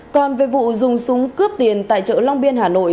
còn về vụ dùng súng cướp tiền tại chợ long biên hà nội